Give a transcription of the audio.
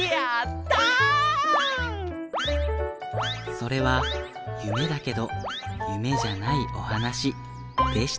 それはゆめだけどゆめじゃないおはなしでした。